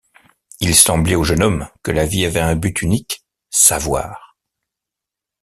Il semblait au jeune homme que la vie avait un but unique : savoir.